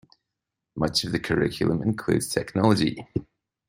Much of the curriculum includes technology.